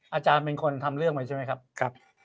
อาจารย์เป็นคนทำเรื่องไว้ใช่ไหมครับ